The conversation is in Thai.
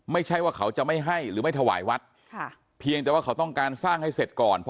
ไม่ใช่ว่าเขาจะไม่ให้หรือไม่ถวายวัดเพียงแต่ว่าเขาต้องการสร้างให้เสร็จก่อน